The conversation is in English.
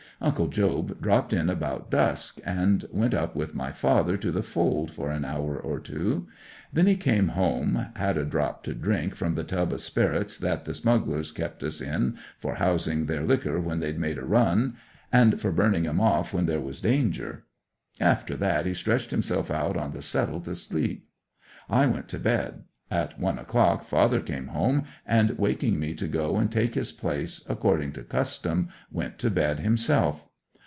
Uncle Job dropped in about dusk, and went up with my father to the fold for an hour or two. Then he came home, had a drop to drink from the tub of sperrits that the smugglers kept us in for housing their liquor when they'd made a run, and for burning 'em off when there was danger. After that he stretched himself out on the settle to sleep. I went to bed: at one o'clock father came home, and waking me to go and take his place, according to custom, went to bed himself.